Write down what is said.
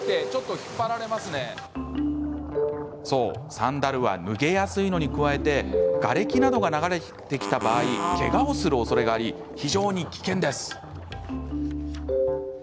サンダルは脱げやすいのに加えてがれきなどが流れてきた場合けがをするおそれがあり非常に危険です。